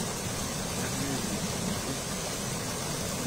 Habillez-vous, vite.